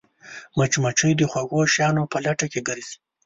مچمچۍ د خوږو شیانو په لټه کې ګرځي